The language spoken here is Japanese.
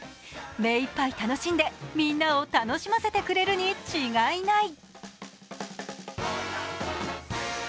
目いっぱい楽しんで、みんなを楽しませてくれるに違いない。